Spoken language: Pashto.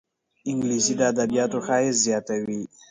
انګلیسي د ادبياتو ښایست زیاتوي